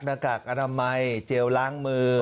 กากอนามัยเจลล้างมือ